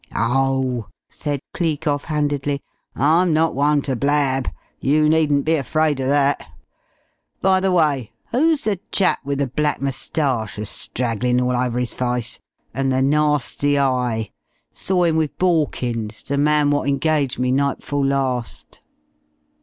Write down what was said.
"Oh," said Cleek off handedly, "I'm not one to blab. You needn't be afraid o' that. By the way, who's the chap with the black mustache a stragglin' all over 'is fyce? An' the narsty eye? Saw 'im with Borkins, the man wot engaged me night before last."